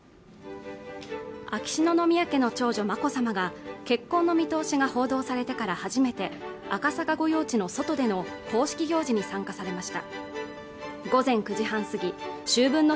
秋篠宮家の長女眞子さまが結婚の見通しが報道されてから初めて赤坂御用地の外での公式行事に参加されました